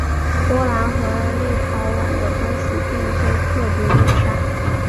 波兰和立陶宛的关系并非特别友善。